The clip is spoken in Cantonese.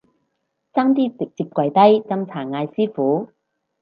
差啲直接跪低斟茶嗌師父